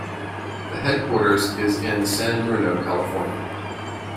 The headquarters is in San Bruno, California.